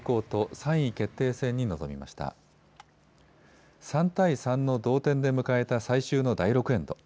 ３対３の同点で迎えた最終の第６エンド。